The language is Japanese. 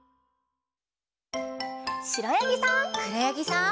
しろやぎさん。